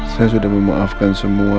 saya sudah memaafkan semua